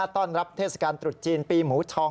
ต้อนรับเทศกาลตรุษจีนปีหมูทอง